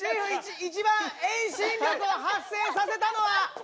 一番遠心力を発生させたのは。